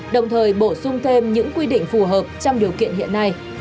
đồng thời bổ sung thêm những quy định phù hợp trong điều kiện hiện nay